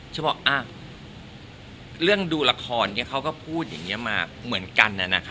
ฉันบอกอ้าวเรื่องดูละครเขาก็พูดอย่างนี้มาเหมือนกันนะคะ